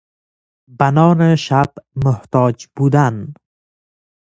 به نان شب محتاج بودن